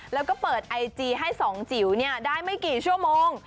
แล้วก็เปิดไอจีให้สองจิ๋วได้ไม่กี่ชั่วโมง